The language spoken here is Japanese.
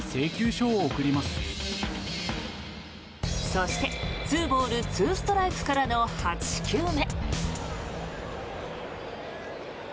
そして２ボール２ストライクからの８球目。